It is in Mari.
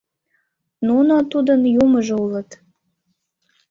Нуно тудын Юмыжо улыт.